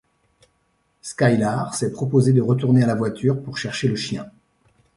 Skylar s'est proposée de retourner à la voiture pour chercher le sien.